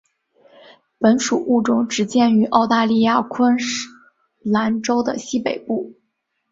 本属物种只见于澳大利亚昆士兰州的西北部。